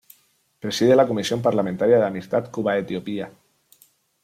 Preside la Comisión Parlamentaria de Amistad Cuba-Etiopía.